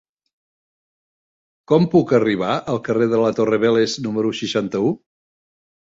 Com puc arribar al carrer de la Torre Vélez número seixanta-u?